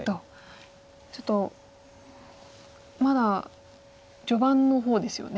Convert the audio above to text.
ちょっとまだ序盤の方ですよね。